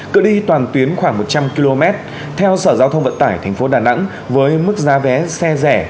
cự đi toàn tuyến khoảng một trăm linh km theo sở giao thông vận tải tp đà nẵng với mức giá vé xe rẻ